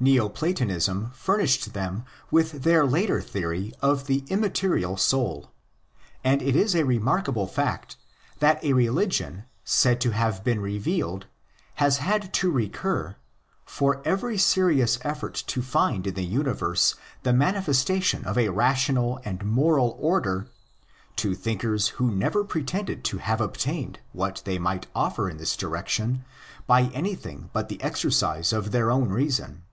Neo Platonism furnished them with their later theory of the immaterial soul. And it is a remarkable fact that a religion gaid to have been revealed has had to recur, for every serious effort to find in the universe the manifestation of a rational and moral order, to thinkers who never pretended to have obtained what they might offer in this direction by anything but the exercise of their own reason.